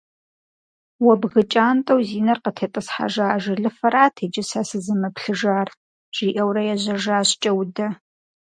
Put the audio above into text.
Уэ бгы кӀантӀэу зи нэр къытетӀысхьэжа ажалыфэрат иджы сэ сызымыплъыжар! - жиӀэурэ ежьэжащ КӀэудэ.